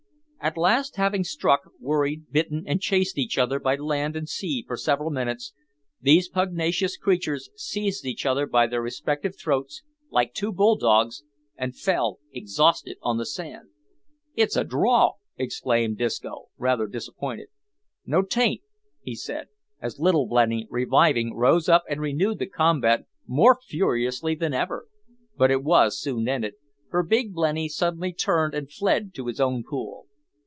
At last having struck, worried, bitten, and chased each other by land and sea for several minutes, these pugnacious creatures seized each other by their respective throats, like two bull dogs, and fell exhausted on the sand. "It's a draw!" exclaimed Disco, rather disappointed. "No, 'tain't," he said, as Little Blenny, reviving, rose up and renewed the combat more furiously than ever; but it was soon ended, for Big Blenny suddenly turned and fled to his own pool.